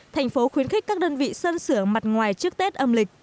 thành phố khuyến khích các đơn vị sơn sửa mặt ngoài trước tết âm lịch